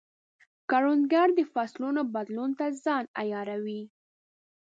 کروندګر د فصلونو بدلون ته ځان عیاروي